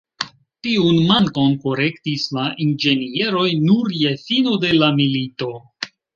Tiun mankon korektis la inĝenieroj nur je fino de la milito.